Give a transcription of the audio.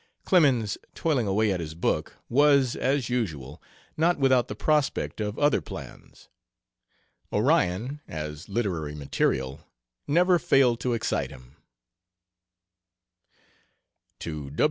Clemens, toiling away at his book, was, as usual, not without the prospect of other plans. Orion, as literary material, never failed to excite him.